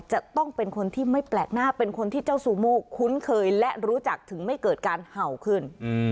จะต้องเป็นคนที่ไม่แปลกหน้าเป็นคนที่เจ้าซูโม่คุ้นเคยและรู้จักถึงไม่เกิดการเห่าขึ้น